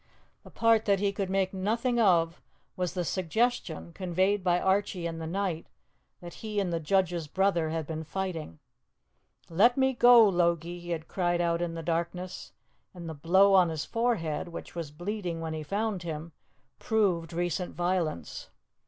The part that he could make nothing of was the suggestion, conveyed by Archie in the night, that he and the judge's brother had been fighting. "Let me go, Logie!" he had cried out in the darkness, and the blow on his forehead, which was bleeding when he found him, proved recent violence.